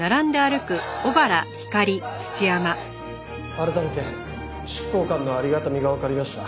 改めて執行官のありがたみがわかりました。